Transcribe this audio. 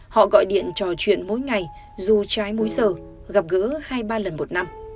họ gọi điện trò chuyện mỗi ngày dù trái múi giờ gặp gỡ hai ba lần một năm